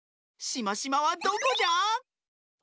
しましまはどこじゃ？